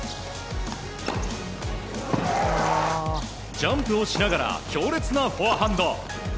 ジャンプをしながら強烈なフォアハンド。